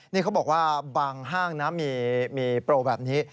นี่เขาบอกว่าบางห้างนะมีโปรแบบนี้